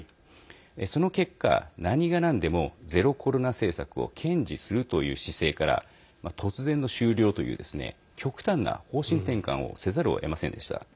その結果、何がなんでもゼロコロナ政策を堅持するという姿勢から突然の終了という極端な方針転換をせざるをえませんでした。